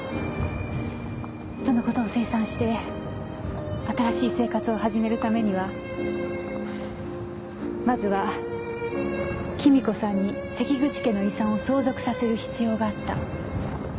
そのことを清算して新しい生活を始めるためにはまずは君子さんに関口家の遺産を相続させる必要があった。